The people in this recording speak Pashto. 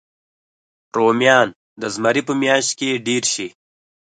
رومیان د زمري په میاشت کې ډېر شي